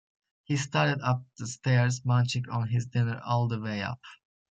He started up the stairs, munching on his dinner all the way up